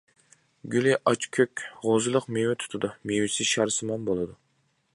گۈلى ئاچ كۆك، غوزىلىق مېۋە تۇتىدۇ، مېۋىسى شارسىمان بولىدۇ.